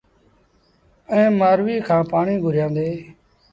ائيٚݩ مآرويٚ کآݩ پآڻيٚ گھُريآݩدي۔